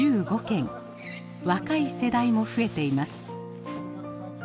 若い世代も増えています。